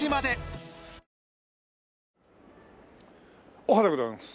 おはようございます。